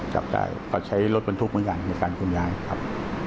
จับได้ก็ใช้รถบรรทุกเหมือนกันในการขนย้ายครับ